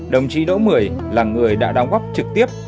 đồng chí đỗ mười là người đã đóng góp trực tiếp